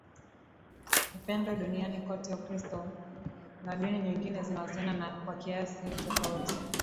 upendo duniani koteUkristo na dini nyingine zinahusiana kwa kiasi tofauti